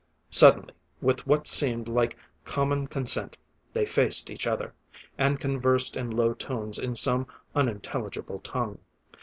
Suddenly, with what seemed like common consent, they faced each other, and conversed in low tones in some unintelligible tongue.